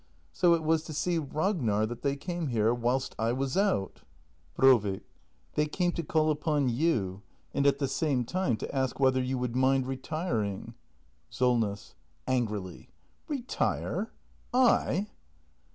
] So it was to see Ragnar that they came here — whilst I was out! Brovik. They came to call upon you — and at the same time to ask whether you would mind retiring SOLNESS. [Angrily.] Retire ? I